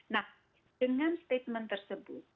nah dengan statement tersebut